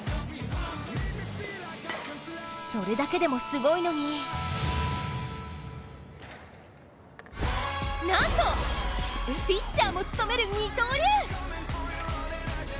それだけでもすごいのになんと、ピッチャーも務める二刀流。